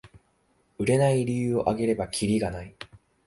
売れない理由をあげればキリがない